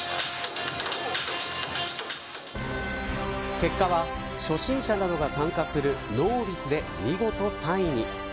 結果は初心者などが参加するノービスで見事３位に。